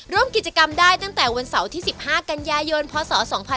ร่วมกิจกรรมได้ตั้งแต่วันเสาร์ที่๑๕กันยายนพศ๒๕๖๒